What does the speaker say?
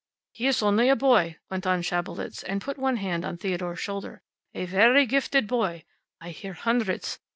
"He is only a boy," went on Schabelitz, and put one hand on Theodore's shoulder. "A very gifted boy. I hear hundreds.